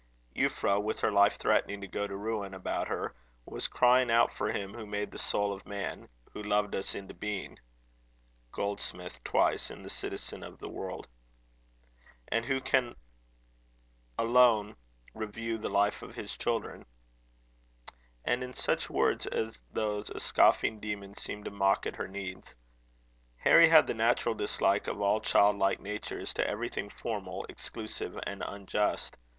Euphra, with her life threatening to go to ruin about her, was crying out for him who made the soul of man, "who loved us into being,"2 and who alone can renew the life of his children; and in such words as those a scoffing demon seemed to mock at her needs. Harry had the natural dislike of all childlike natures to everything formal, exclusive, and unjust.